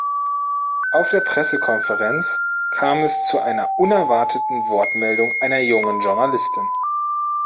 Auf der Pressekonferenz kam es zu einer unerwarteten Wortmeldung einer jungen Journalistin.